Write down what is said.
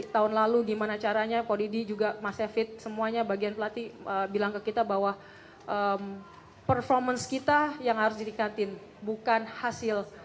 tahun lalu gimana caranya kodidi juga mas evid semuanya bagian pelatih bilang ke kita bahwa performance kita yang harus ditingkatin bukan hasil